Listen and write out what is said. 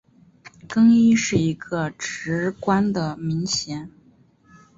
更衣是一个职官的名衔。